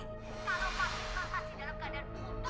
kalau pak bukal pasti dalam keadaan umum